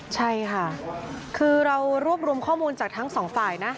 ใช่ค่ะคือเรารวบรวมข้อมูลจากทั้งสองฝ่ายนะ